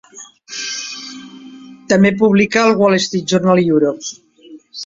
També publica al "Wall Street Journal Europe".